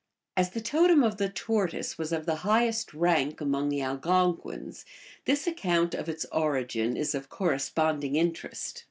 as the totem of the Tortoise was of the highest rank among the (Algonquins, this account of its origin is of corresponding interest.